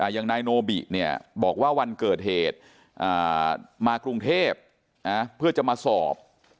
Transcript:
อย่างนายโนบิเนี่ยบอกว่าวันเกิดเหตุมากรุงเทพเพื่อจะมาสอบ